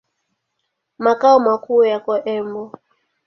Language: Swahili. Makao makuu yako Embu.